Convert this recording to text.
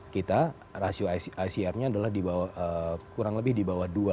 kita rasio icr nya kurang lebih di bawah dua